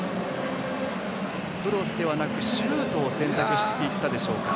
クロスではなく、シュートを選択していったでしょうか。